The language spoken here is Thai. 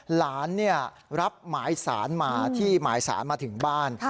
หลานรับหมายสารมาที่หมายสารมาถึงบ้าน